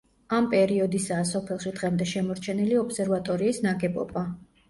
ამ პერიოდისაა სოფელში დღემდე შემორჩენილი ობსერვატორიის ნაგებობა.